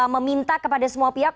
meminta kepada semua pihak